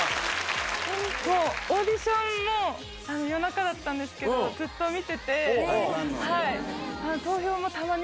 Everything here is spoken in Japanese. オーディションも、夜中だったんですけど、ずっと見てて、そうなの？